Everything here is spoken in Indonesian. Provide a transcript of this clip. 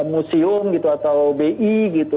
museum gitu atau bi gitu